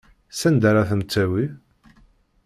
Sanda ara ten-tawi?